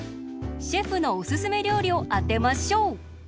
シェフのおすすめりょうりをあてましょう！